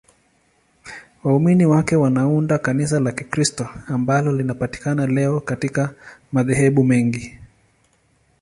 Waumini wake wanaunda Kanisa la Kikristo ambalo linapatikana leo katika madhehebu mengi.